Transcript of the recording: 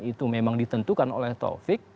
itu memang ditentukan oleh taufik